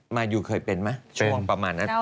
มายูเคยเป็นไหมช่วงประมาณนั้น